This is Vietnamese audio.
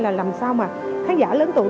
là làm sao mà khán giả lớn tuổi